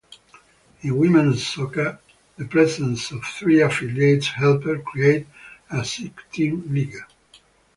In women's soccer, the presence of three affiliates helped create a six-team league.